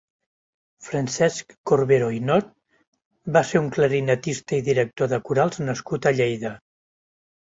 Francesc Corberó i Not va ser un clarinetista i director de corals nascut a Lleida.